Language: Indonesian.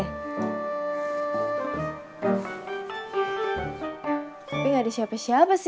tapi gak ada siapa siapa sih